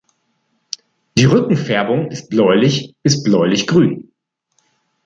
Die Rückenfärbung ist bläulich bis bläulichgrün.